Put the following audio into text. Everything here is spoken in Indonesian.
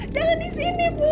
jangan di sini bu